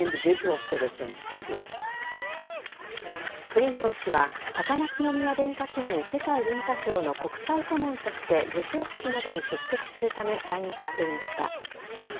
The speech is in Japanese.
クリントン氏は高松宮殿下記念世界文化賞の国際顧問として授賞式などに出席するため来日していました。